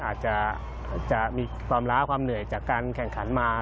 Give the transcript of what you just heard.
อาจจะมีความล้าความเหนื่อยจากการแข่งขันมา